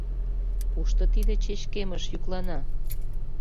«Кушто тиде чечкемыш йӱклана?»